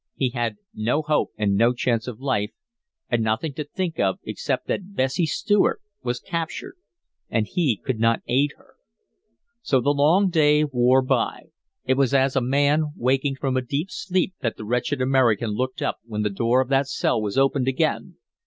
He had no hope and no chance of life, and nothing to think of except that Bessie Stuart was captured and he could not aid her. So the long day wore by; it was as a man waking from a deep sleep that the wretched American looked up when the door of that cell was opened again.